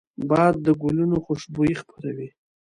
باد د ګلونو خوشبويي خپروي